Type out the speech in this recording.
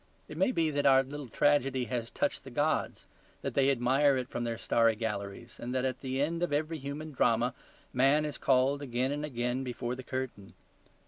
It may be that our little tragedy has touched the gods, that they admire it from their starry galleries, and that at the end of every human drama man is called again and again before the curtain.